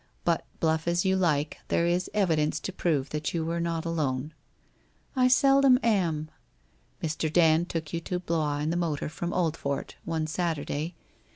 But bluff as you like, there is evidence to prove that you were not alone/ * I seldom am/ c Mr. Dand took you to Blois in the motor from Oldfort — one Saturday.